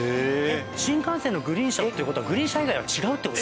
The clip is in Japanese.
新幹線のグリーン車って事はグリーン車以外は違うって事？